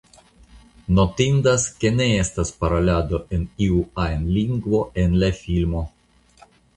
Notindas ke ne estas parolado en iu ajn lingvo en la filmo.